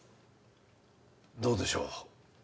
どうでしょう？